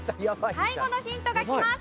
最後のヒントがきます。